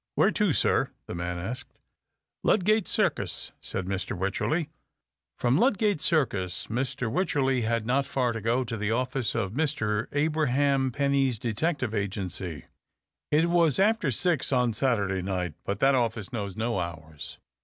" Where to, sir ?" the man asked. "Ludgate Circus," said Mr. Wycherley. From Ludgate Circus Mr. Wycherley had not far to go to the office of Mr, Abraham Penny's Detective Agency. It was after six on Saturday night, but that office knows no hours.